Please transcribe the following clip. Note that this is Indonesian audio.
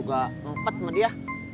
udah nggak usah mikirin dia